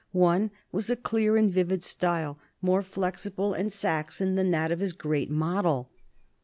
One was a clear and vivid style, more flexible and Saxon than that of his great model.